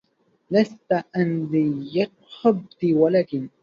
لست عندي بقحطبي ولكن